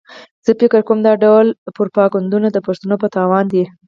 زه فکر کوم دا ډول پروپاګنډونه د پښتنو په تاوان دي.